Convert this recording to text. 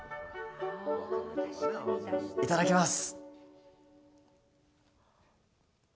いただきます。